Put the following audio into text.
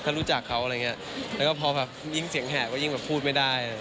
ถ้ารู้จักเขาอะไรอย่างเงี้ยแล้วก็พอแบบยิ่งเสียงแหบก็ยิ่งแบบพูดไม่ได้